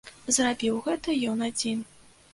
Зрабіў гэта ён адзін.